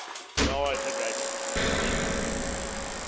Now I think I can go to sleep."